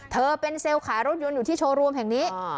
เธอเป็นเซลล์ขายรถยนต์อยู่ที่โชว์รวมแห่งนี้